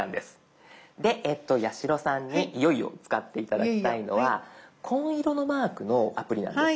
で八代さんにいよいよ使って頂きたいのは紺色のマークのアプリなんです。